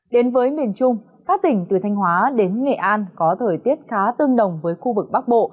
đến với miền trung các tỉnh từ thanh hóa đến nghệ an có thời tiết khá tương đồng với khu vực bắc bộ